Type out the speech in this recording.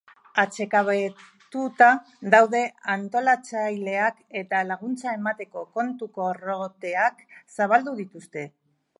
Atsekabetuta daude antolatzaileak eta laguntza emateko kontu korronteak zabaldu dituzte.